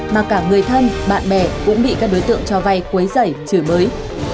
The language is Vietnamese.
mà cả người thân bạn bè cũng bị các đối tượng cho vay cuối giải chửi mới